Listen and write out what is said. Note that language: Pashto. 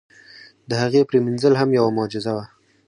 د هغې پرېمنځل هم یوه معجزه وه.